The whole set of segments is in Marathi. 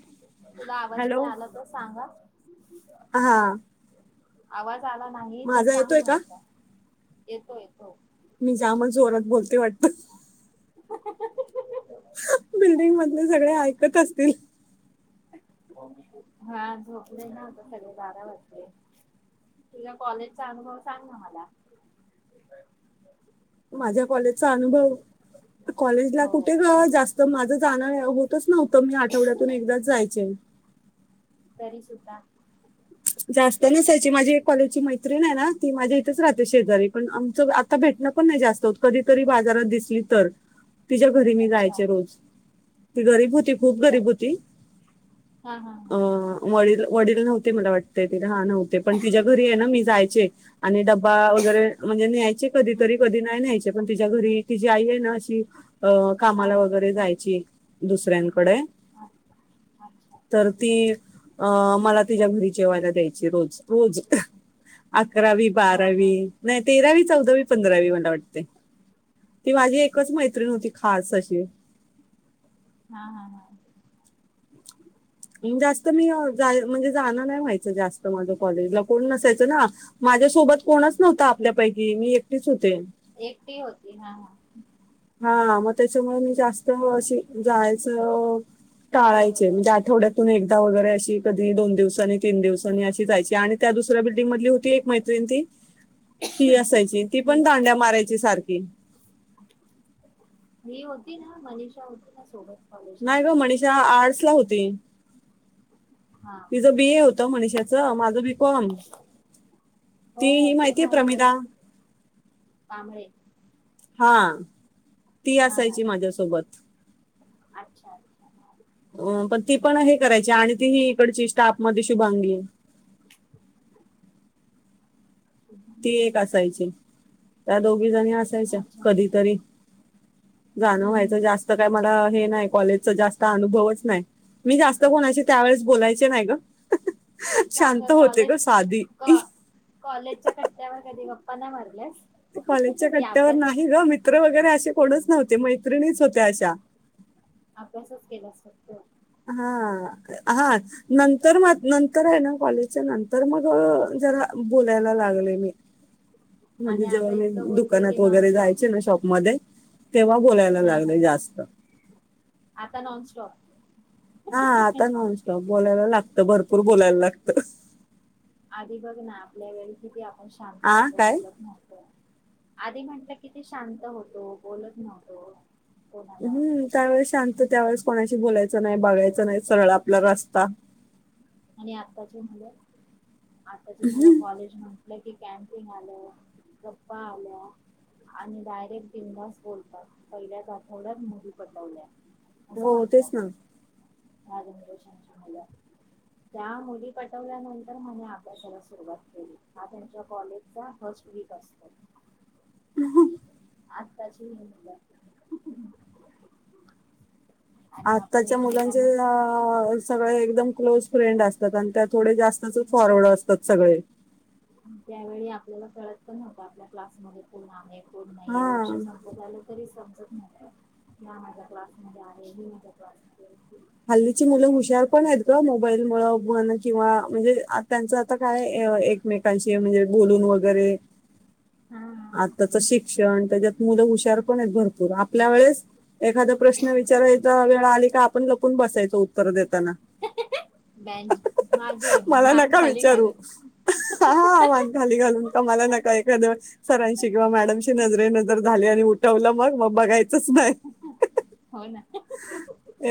[inaudible] तुला आवाज हॅलो नाही आला तर, सांग हां. हा आवाज जाला नाही तर, माझा सांग येतोय का म्हटलं. येतोय येतो. मी जा मच जोरात बोलते वाटत. [inaudible] बिल्डिंग मधले सगळे ऐकत असतील. हा झोपले ना आता सगळे, बारा वाजले. तुझ्या कॉलेजचा अनुभव सांग ना मला. माझ्या कॉलेजचा अनुभव, कॉलेजला कुठे हो ग जास्त माझं जाण नाही होत? माहीतच नव्हतं, मी आठवड्यातून एकदाच जायच. तरी सुद्धा जास्त नसायची. माझी एक कॉलेजची मैत्रीण हाय ना, ती माझ्या इथेच राहते शेजारी, पण आमचं आता भेटणं पण नाही जास्त होत. कधीतरी बाजारात दिसली तर तिच्या घरी मी अच्छा जायचे रोज ती गरीब हो ती खूप तुझ्या गरीब होती. हा हा हा अ वडील वडील नव्हते मला वाट [unintelligible] हां नव्हते पण तिच्या घरी आहे ना मी जायचे आणि डब्बा वगैरे म्हणजे न्यायचे हम्म कधीतरी कधी नाही न्यायचे. ते पण तिच्या घरी तिची आई आहे ना अशी अ हा कामाला हा वगैरे जायची. दुसऱ्यां कडे हा अच्छा तर ती अ मला तिच्या घरी जेवायला द्यायची रोज रोज अकरावी हा बारावी हा नाही तेरावी चौदावी पंधरावी मला वाटतंय ती माझी एकच मैत्रीण होती खास अशी. हां हां. अम्म जास्त मी अ जाय म्हणजे जाणं नाही व्हायचं जास्त माझं कॉलेजला कोण नसाय च ना माझ्यासोबत कोणंच नव्हतं आपल्यापैकी मी एकटीच होते. एकटी होती? हां हां. हा मग त्याच्यामुळं जास त अ अशी जाय [unintelligible] टाळायचे बरोबर म्हणजे हा आठवड्यातून एकदा वगैरे अशी कधी दोन दिवसांनी तीन दिवसांनी अशी जायची आणि त्या दुस ऱ्या बिल्डिंगमधली होती एक मैत्रीण ती ती असायची ती हम्म पण दांड्या मारायची सारखी. मी होती ना मनीषा होती ना सोबत? कॉलेजला नाही गं मनीषा आर्ट्सला हो ती. हा तिझं बी ए होतं मनीषाचं, माझं बी कॉम हो ती हो ही ते माहितीये माहित आहे प्रमिला? कांबळे हां. ती हा हा असायची माझ्यासोबत. अच्छा अ पण ती पण हे कराय च्या आणि ती ही इकडची स्टाफ. म ती शुभांगी. अच्छा या दो घीजणी असायच्या अच्छा कधीतरी. जाणं व्हायचं हम्म जास्त काय मला हे नाही, कॉलेजचा जास्त अनुभवच नाही. मी जास्त कोणाशी त्यावेळेस बोलायचे नाही ग. का ग, शांत होते कॉलेज साधी कॉ कॉलेजच्या कट्टा कट्यावर कधी गप्पा नाय मारल्यास. ते कॉलेजच्या की कट्ट्यावर अभ्यासच नाही ग. मित्र बघ. वगैरे असे कोणच नव्हते, मैत्रिणीच होत्या अशा अभ्यासच केलास फक्त. हा हा नंतर म नंतर आहे ना कॉलेजच्या नंतर मग जरा बोलायला हा लागले मी आणि म्हणजे जेव्हा आता मी इतकं बोलते की दुकानात वगैरे नॉनस्टॉप जायचे ना शॉपमध्येध्ये तेव्हा बोलायला हा हा लागले जास्त आता नॉनस्टॉप हा आता नॉनस्टॉप बोलायला लागत भरपूर बोलायला लागत आधी बघ ना आपल्या वेळी किती शांत आ होतो काय बोलत नव्हतो आधी म्हटलं किती शांत होतो बोलत नव्हतो कोणाला हम्म त्यावेळे शांत त्यावेेळेस कोणाशी बोलायचं नाही बघायचं नाही सरळ आपला रस्ता आणि आत्ताचे मुलं आत्ताच्या मुळ कॉलेज म्हटलं की कॅम्पिंग आलं गप्पा आल्या आणि डायरेक्ट दिवंगस बोलतात पहिल्याच आठवड्यात मुली पटवल्या असं हो म्हणतात तेच ना ह्या जाणारेशन च्या मुलं त्या मुली पटवल्यानंतर म अभ्यासाला सुरुवात केली हा त्यांच्या कॉलेजचा फस्ट वीक असतो ह आत्ताची आणि आपण आत्ताच्या मुलांचे एकमेकांना अ सगळे एकदम क्लोज फ्रेंड असतात आणि त्या थोडे जास् हो फॉरवर्ड असतात सगळे त्यावेळी आपल्याला कळत पण नव्हता आपल्या क्लास मध्ये कोण आहेत कोण नाही हा वर्ष संपत आलं तरी सं माझ्या क्लास मध्ये ही माझ्या क्लास हल्लीची मुलं हुशार पण आहेत ग मोबाईल किंवा म्हणजे त्यांच आता काय एकमेकांशी म्हणजे बोलून वगैरे हा आताच शिक शिक्षण त्याच्यात मुलं हुशार पण आहेत भरपूर आपल्या वेळेस एखादा प्रश्न विचारायचा वेळ आली का पण बसायच उत्तर देत बेंच मागे मला मान नका खाली विचारू घालून हा मान खाली घालून का मला नका एखाद्या सरांशी किंवा मॅडमशी नजरे नजर झाली आणि कौलं मग म बघाय तस नाय हो ना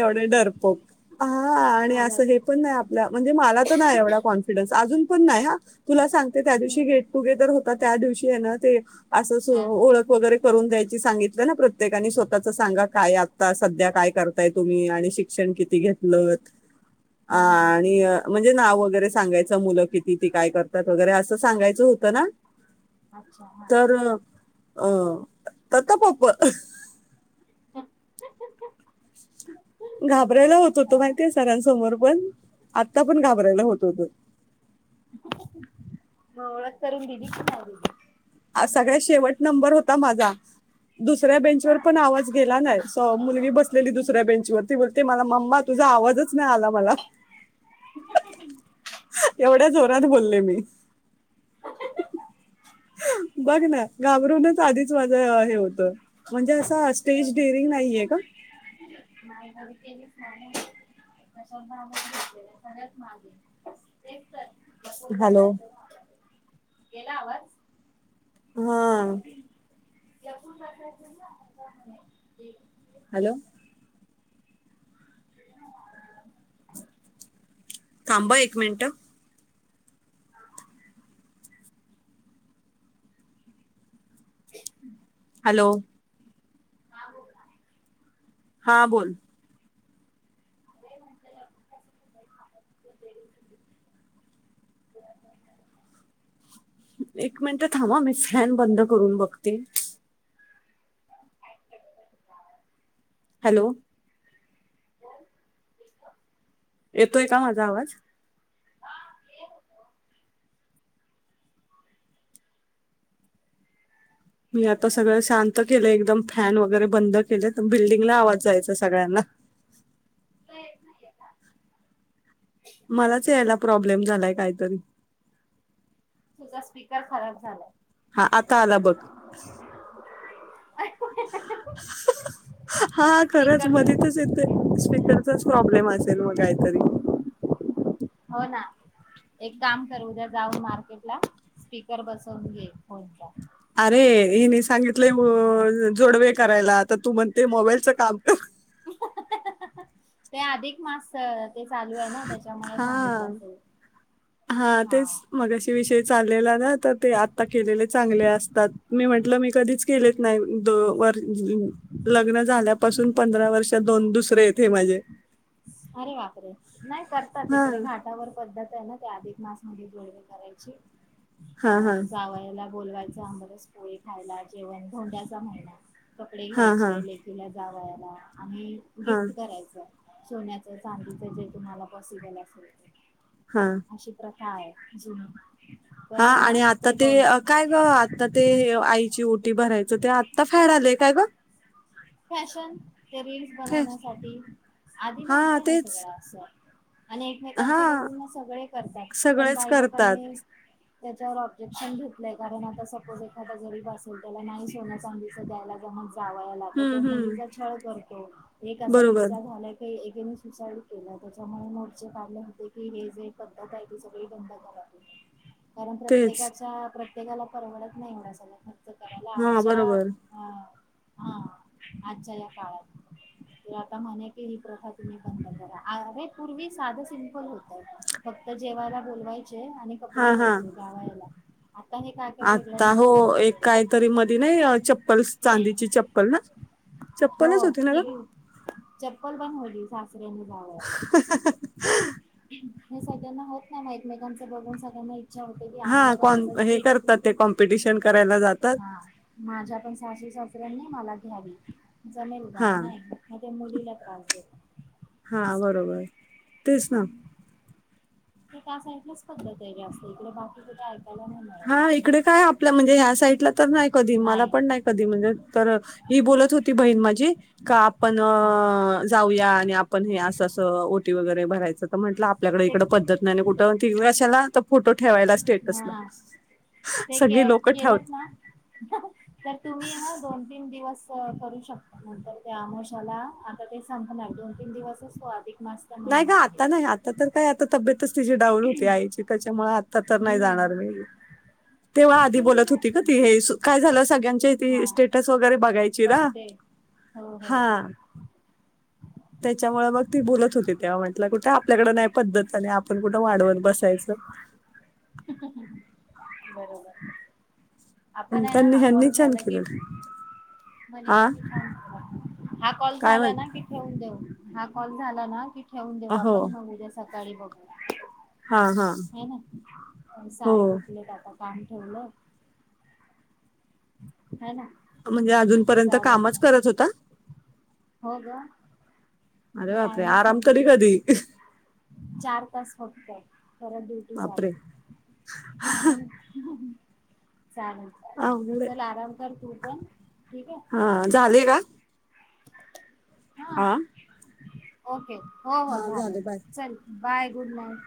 वड डरपोक हा आणि माझा असं हे पण नाय आपल्या म्हणजे मला तर नाय एवढा कॉन्फिडन्स अजून पण नाय हा तुला सांग त्या दिवशी गेटटुगेदर होत ते. त्या दिवशी आहे ना ते. अस अस हा हा ओळख वगैरे. करून द्यायची सांगितलं ना प्रत्येकानी स्वतःचं सांगा काय आता सध्या काय करताय तुम्ही आणि शिक्षण किती घेतलतं. आ हा हा आणि म्हण जे नाव वगैरे सांगायचं मुलं किती ती काय करतात वगैरे असं सांगायचं होतं ना. अच्छा हा. तर अ तत पप. [unintelligible] घाबरायला होत होतं हा माहितीये सरांसमोर पण आता पण घाब रायला होत होतं. मग ओळख करून दिली का नाय दिली. आज सगळ्या शेवट नंबर होता माझा दुसऱ्या बेंचवर पण आवाज गेला नाय सो मुलगी बसलेली दुसऱ्या बेंचवर ती बोलते मला मम्मा तुझा आवाजच नाय आला मला एवढ्या जोरात बोल ले मी. बघ ना घाबरूनच आधीच माझ. म्हणजे अस स्टेज डेअरिंग नाहीये का. नाय कधी केलीच नाय कशात भागच घेतलेला सगळ्यात मागे तेच तर तसंच हॅलो बसायच [inaudible] गेला आवाज. हम्म. लपून बसायचं ही अडचण आहे ही. हॅलो [inaudible] थांब अं एक मिनिटं. हॅलो हा बोला हा बोल. [inaudible] एक मिनिट थांबा मी फॅन बंद करून बघते. हॅलो. [unintelligible] [inaudible] येतोय का माझा आवाज. मी आता सगळं शांत केलं एकदम. फॅन वगैरे बंद केले तर बिल्डिंगला आवाज जायचा सगळ्यांना. येत नाहीय का. मलाच यायला प्रॉब्लेम झालाय, काय तरी तुझा स्पीकर खराब झालाय. हा. आता आला बघ. हा खरच स्पीकर मधीतच येतय, स्पीकरचाच प्रॉब्लेम असेल मग काहीतरी हो ना, एक काम कर उद्या जाऊन मार्केट ला स्पीकर बसवून घे फोनचा. अरे हिने सांगितलंय. म जोडवे करायला, तर तू म्हणते मोबाईलचं काम कर. [inaudible] ते अधिक मास अ हा हा तेच मगाशी विषय चाललेला ना, तर ते आता केलेले चांगले असतात, मी म्हटलं मी कधीच केलेच नाही. तू वर लग्न झाल्यापासून पंधरा वर्षात दोन दुसरे हेत माझे. अरे बापरे! नाही करतात इकडे, हां, घाटावर पद्धत आहे ना. त्या अधिक मासमध्ये [unintelligible] करायची. अ हां, हां. जावायला बोलवाय च आंबरस पोळी खायला जेवण धोंड्याचा महिना. कपडे हां, हां. घ्यायचे लेकीला जावया ला. आणि हां, गिफ्ट करायचं. सोन्याचं चांदीचं जे तुम्हाला पॉसिबल असेल ते. हां. था आहे जुनी. पण हां आहे ना आणि आता ते अ काय गं आता ते आईची ओ टी भरायचं ते आत्ता [unintelligible] आलंय काय गं? फॅशन. ते रील्स फॅड बनवण्यासाठी आधी हां, नव्हतं हे तेच. सगळं असं. आणि एकमेकांचं हां, बघून म सगळे करताय, पण सगळेच काही करतात. लोकांनी त्याच्यावर ऑब्जेक्शन घेतलंय, कारण आता सपोज एखादा गरीब असेल त्याला नाही सोन्या-चांदीचं द्यायला जमत जाव हं, तो हं. मुलीचा छळ करतो. एक असा बरोबर. किस्सा झालाय कय एक तीने साईड केला त्याच्यामुळे मोर्चे काढले होते की हे जे पद्धत आहे त सगळी बंद करा, [inaudible] कारण तेच. प्रत्येकाच्या प्रत प्रत्येकाला परवडत नाही, [unintelligible] ते करायला हां, आजा बरोबर. [inaudible] अ [unintelligible] आजच्या या काळात, [inaudible] मी आता म्हणे की ही प्रथा तुम्ही बंद करा. अरे पूर्वी साधं सिमपल होत. फक्त जेवायला बोलवाय आणि कपडे हां, हां. घ्यायचे गावायला आता हे काय काय वेगळं आता हो, निघालं एक काहीतरी मधी नाही, चप्पल चांदीची चप्पल ना? चप्पलच हो होती ना ग? ठीक पण चप्पल होली दसऱ्या जावला [unintelligible] हे सगळ्यांना होत नाही. म एकमेकांचं बघून सगळ्यांना- इच्छा होते की हा. आम्हाला पण तसंच हे ट्रीट करता ते कॉम्पिटिशन करायला जात- हा. माझ्या पण सासूचा- दुसऱ्यांनी मला घ्यावी [unintelligible] जमेल का नाहीतर मुली [unintelligible] [unintelligible] त्यांना आवाज दे बर हा. बरोबर. तेच ना. ते काऐकलंच पद्धत आहे जास्त इकडे बाकी कुठे [inaudible] हा मिळत इकडे काय आपल्या म्हणजे, ह्या साईडला तर नाही कधी, मला पण नाही कधी, म्हणजे तर ही बोलत होती बहीण माझी. जी का आपण हा जाऊया आणि आपण अस अस ओटीपी [unintelligible] वगैरे भरायचं त मट- आपल्याकडे ते इकडं पद्धत नाही कुठं कशाला [inaudible] फोटो ठेवायला स्टेटसला. हा ते सगळी लोकं ठेवतात. केलंच ना तर, तुम्ही ना दोन तीन- दिवस करू शकतो नंतर त्या अमावस्या आता ते संपणार दोन तीन दिवसचो अधिक [unintelligible] नाही ग, महिना आहे. आता नाही. आता तर काय, आता तब्येतच तिची डाऊन होती आईची. त्याच्यामुळे आ- तर नाही जाणार हम्म मी तेव्हा आधी पूर्वी बोलत होती का नाही तीहे काय झालं सगळ्यांची हा थी स्टेटवर चेदा बघते. हो हो हा हो त्याच्यामुळे मग ती बोलत होती म्हटलं कुठे आपल्याकडं नाही पद्धत आपण कुठं वाढवत बसायचं बरोबर हं, आपण आहे ना त्यांनी हा कॉल ह्यांनी छान झाला की केलं हा मनीषांनी छान हा कॉल काय झाला म्हण ना की ठेवून देऊ हा कॉल झाला ना कि ठेवून देऊ हो आपण मग उद्या सकाळी बघु हा ना हो साहेब उठलेत आता पाणी ठेवलं [inaudible] ह ना म्हणजे अजूनपर्यंत चालेल कामच चालेल. करत होता. [inaudible] [inaudible] हो ग, [inaudible] अरे बापरे टाईमच नाही आराम तरी कधी भेटत [inaudible] चार तास फक्त परत भेटू चाल बापरे [inaudible] [unintelligible] चालन चालन अवघड आहे. चल आराम कर तू- पण ठीक आहे [unintelligible] झाले का हा आ [inaudible] ओके, हो हो झालं [inaudible] चल, बाय गुड नाईट.